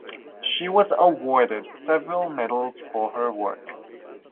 She was awarded several medals for her work.